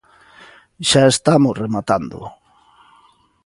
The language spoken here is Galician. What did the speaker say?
Xa estamos rematando.